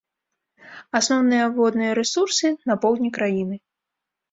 Асноўныя водныя рэсурсы на поўдні краіны.